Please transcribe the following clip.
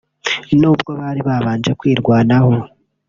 nubwo bari babanje kwirwanaho